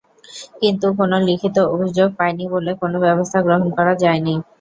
কিন্তু কোনো লিখিত অভিযোগ পাইনি বলে কোনো ব্যবস্থা গ্রহণ করা যায়নি।